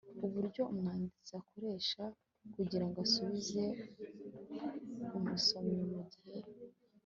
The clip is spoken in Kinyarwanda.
uburyo umwanditsi akoresha kugirango asubize umusomyi mugihe